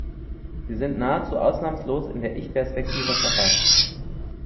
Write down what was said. Sie sind nahezu ausnahmslos in der Ich-Perspektive verfasst.